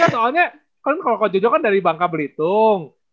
soalnya kalian koko jojo kan dari bangka belitung